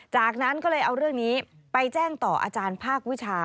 จากนั้นก็เลยเอาเรื่องนี้ไปแจ้งต่ออาจารย์ภาควิชา